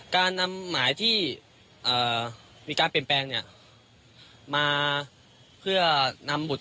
การนำหมายที่มีการเป็นแปนอย่างนี้มาเพื่อนำบุตร